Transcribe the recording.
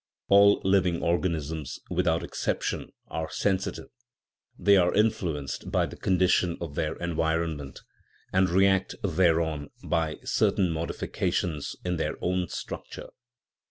All living organisms, without exception, are sensi tive ; they are influenced by the condition of their en vironment, and react thereon by certain modifications in their own structure.